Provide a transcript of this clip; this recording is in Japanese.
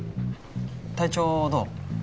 体調どう？